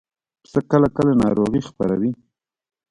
پسه کله کله ناروغي خپروي.